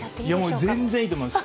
もう全然いいと思います。